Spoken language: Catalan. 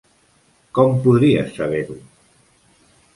Com podries saber-ho?